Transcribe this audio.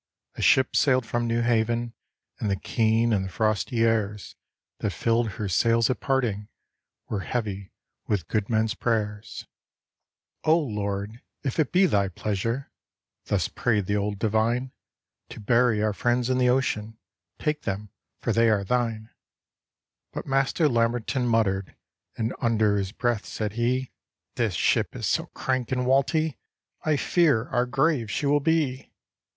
A ship sailed fram New Haven, And the keen and the frosty airs, T^at iilled her sails at parting. Were heavy with good men's prayers. D,gt,, erihyGOOgle The Haunted Hour " O Lord, if it be thy pleasure "— Thus prayed the old divine —" To bury our friends in the ocean, Take them, for they are thine." But Master Lamberton muttered, And under his breath said he, " This ship is so crank and walty, I fear our grave she will be!"